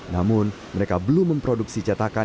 namun mereka belum memproduksi cetakan